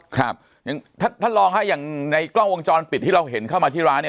ครับอย่างท่านท่านรองฮะอย่างในกล้องวงจรปิดที่เราเห็นเข้ามาที่ร้านเนี่ย